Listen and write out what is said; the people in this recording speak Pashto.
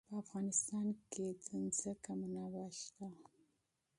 په افغانستان کې د ځمکه منابع شته.